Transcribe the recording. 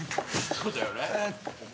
そうだよね。